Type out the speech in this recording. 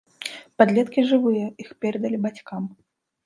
Падлеткі жывыя, іх перадалі бацькам.